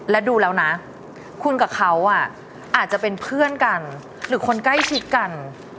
และดูแล้วนะคุณกับเขาอาจจะเป็นเพื่อนกันหรือคนใกล้ชิดกัน